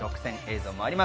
特選映像もあります。